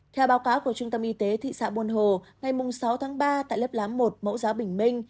theo báo cáo của trung tâm y tế thị xã buôn hồ ngày sáu tháng ba tại lớp láng một mẫu giáo bình minh